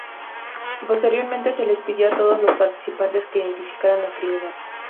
Posteriormente se les pidió a todos los participantes que identificaran al criminal.